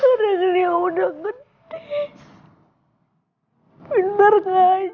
waalaikumsalam warahmatullahi wabarakatuh